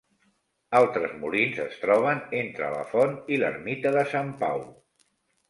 Altres molins es troben entre la font i l'ermita de Sant Pau.